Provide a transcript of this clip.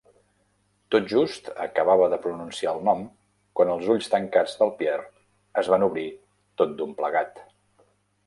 Tot just acabava de pronunciar el nom quan els ulls tancats del Pierre es van obrir tot d'un plegat.